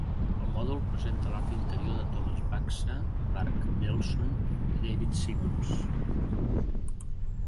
El mòdul presenta l'art interior de Thomas Baxa, Mark Nelson i David Simons.